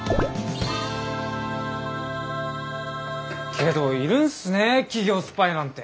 けどいるんすね企業スパイなんて。